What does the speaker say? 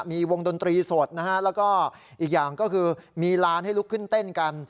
มีวงดนตรีสดนะฮะแล้วก็อีกอย่างก็คือมีร้านให้ลุกขึ้นเต้นกัน